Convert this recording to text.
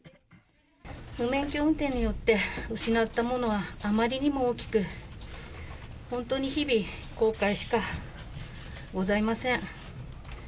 無免許運転によって失ったものはあまりにも大きく、本当に日々、後悔しかございません。